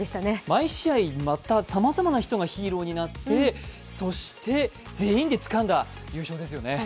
毎試合またさまざまな人がヒーローになってそして全員でつかんだ優勝ですよね。